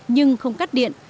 nhưng không cắt điện